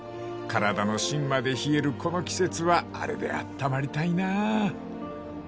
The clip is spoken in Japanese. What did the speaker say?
［体の芯まで冷えるこの季節はあれであったまりたいなぁ］